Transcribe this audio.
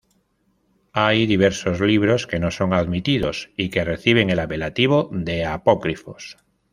Hay diversos libros que no son admitidos, y que reciben el apelativo de "apócrifos".